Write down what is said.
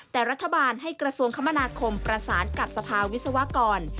แต่รัฐบาลให้กระทรวงคมพระสารกับสภาวิทยาลัยกรณ์